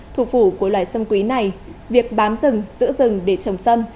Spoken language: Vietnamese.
thủ phủ của loại sâm quý này việc bám rừng giữ rừng để trồng sâm